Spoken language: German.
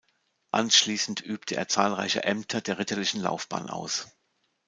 Anschließend übte er zahlreiche Ämter der ritterlichen Laufbahn aus.